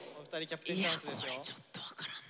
いやこれちょっと分からんな。